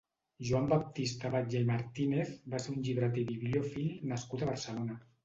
Joan Baptista Batlle i Martínez va ser un llibreter i bibliòfil nascut a Barcelona.